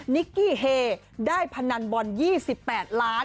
นิกกี้เฮได้พนันบอล๒๘ล้าน